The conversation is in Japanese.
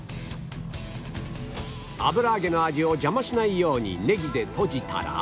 油揚げの味を邪魔しないようにネギで閉じたら